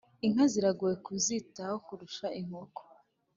Inka ziragoye kuzitaho kurusha inkoko